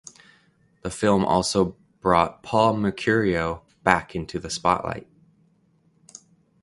The film also brought Paul Mercurio back into the spotlight.